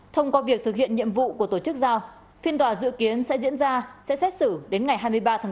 thông qua việc thực hiện nhiệm vụ của tổ chức giao phiên tòa dự kiến sẽ diễn ra sẽ xét xử đến ngày hai mươi ba tháng bốn